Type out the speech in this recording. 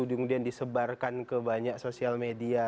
kemudian disebarkan ke banyak sosial media